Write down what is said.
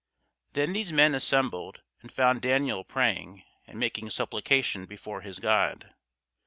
Then these men assembled, and found Daniel praying and making supplication before his God.